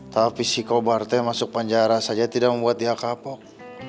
tapi si kobarte masuk panjara saja tidak membuat dia kapok